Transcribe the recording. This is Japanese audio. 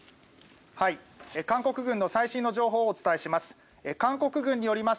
韓国軍の最新の情報をお伝えします。